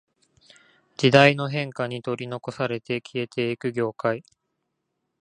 時代の変化に取り残されて消えていく業界